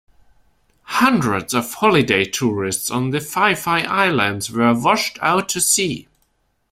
Hundreds of holiday tourists on the Phi Phi Islands were washed out to sea.